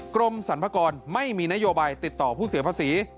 กรมสรรพากรไม่มีนโยบายติดต่อผู้เสียภาษี